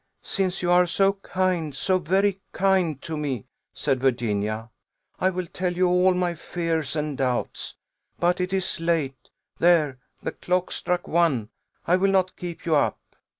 "Since you are so kind, so very kind to me," said Virginia, "I will tell you all my fears and doubts. But it is late there! the clock struck one. I will not keep you up."